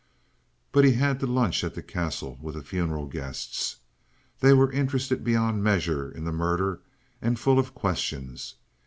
But he had to lunch at the Castle with the funeral guests. They were interested beyond measure in the murder and full of questions.